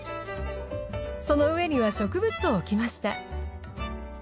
その上には植物を置きました。